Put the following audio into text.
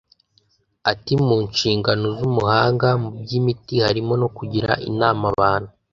Ati ‘‘Mu nshingano z’umuhanga mu by’imiti harimo no kugira inama abantu